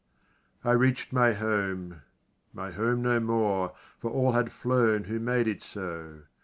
I reach'd my home my home no more For all had flown who made it so.